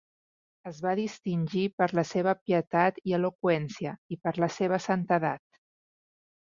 Es va distingir per la seva pietat i eloqüència i per la seva santedat.